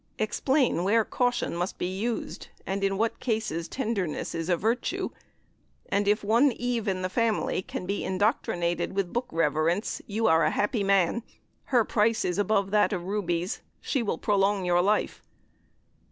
Explain where caution must be used, and in what cases tenderness is a virtue; and if one Eve in the family can be indoctrinated with book reverence you are a happy man; her price is above that of rubies; she will prolong your life.